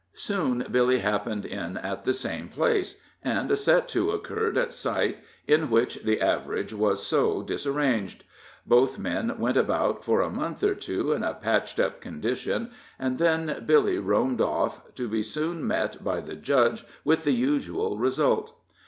Soon Billy happened in at the same place, and a set to occurred at sight, in which the average was no disarranged. Both men went about, for a month or two, in a patched up condition, and then Billy roamed off, to be soon met by the Judge with the usual result.